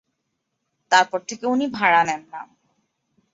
তারপর থেকে উনি ভাড়া নেন না।